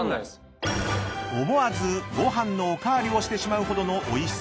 ［思わずご飯のお代わりをしてしまうほどのおいしさ］